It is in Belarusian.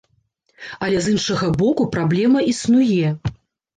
Але з іншага боку, праблема існуе.